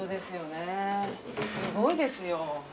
すごいですよ。